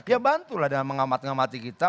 ya bantulah dengan mengamati ngamati kita